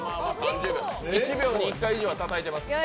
１秒に１回以上はたたいています。